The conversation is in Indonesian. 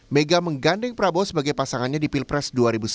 mega menggandeng prabowo sebagai pasangannya di pilpres dua ribu sembilan belas